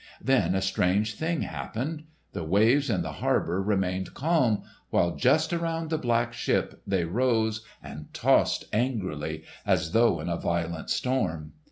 Then a strange thing happened. The waves in the harbour remained calm, while just around the black ship they rose and tossed angrily as though in a violent storm.